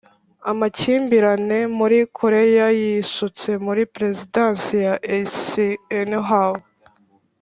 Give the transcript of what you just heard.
amakimbirane muri koreya yisutse muri perezidansi ya eisenhower